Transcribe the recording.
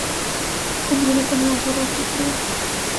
Convive con el actor Artur Trias.